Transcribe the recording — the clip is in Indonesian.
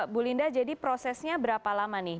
bu linda jadi prosesnya berapa lama nih